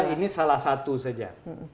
ini salah satu saja